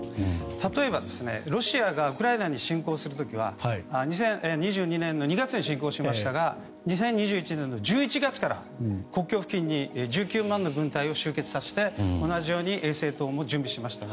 例えば、ロシアがウクライナに侵攻する時は２０２２年の２月に侵攻しましたが２０２１年の１１月から国境付近に１９万の軍隊を集結させて同じように準備しました。